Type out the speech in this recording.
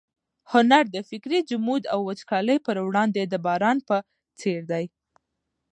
هنر د فکري جمود او وچکالۍ پر وړاندې د باران په څېر دی.